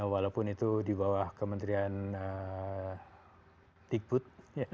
walaupun itu di bawah kementerian digbud